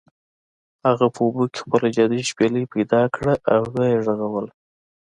هغه په اوبو کې خپله جادويي شپیلۍ پیدا کړه او و یې غږوله.